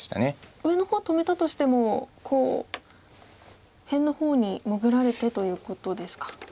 上の方止めたとしても辺の方に潜られてということですか。